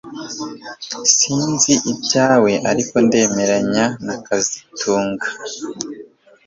Sinzi ibyawe ariko ndemeranya na kazitunga